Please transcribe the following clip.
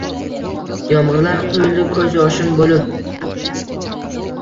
Yomg’irlar quyildi ko’z yoshim bo’lib